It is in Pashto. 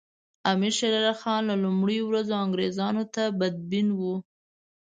امیر شېر علي خان له لومړیو ورځو انګریزانو ته بدبین وو.